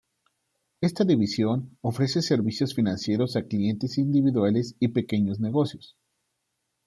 Esta división ofrece servicios financieros a clientes individuales y pequeños negocios.